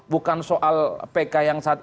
bukan soal pk yang saat ini ada di mahkamah agung